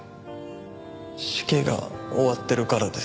死刑が終わってるからですか？